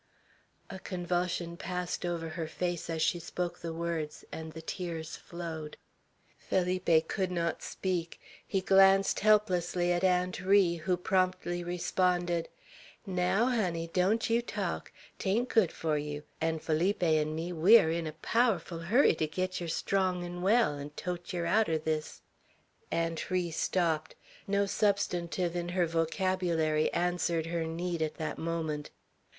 A convulsion passed over her face as she spoke the word, and the tears flowed. Felipe could not speak. He glanced helplessly at Aunt Ri, who promptly responded: "Naow, honey, don't yeow talk. 'Tain't good fur ye; 'n' Feeleepy 'n' me, we air in a powerful hurry ter git yer strong 'n' well, 'n' tote ye out er this " Aunt Ri stopped. No substantive in her vocabulary answered her need at that moment.